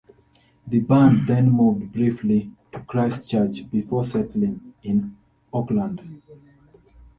The band then moved briefly to Christchurch before settling in Auckland.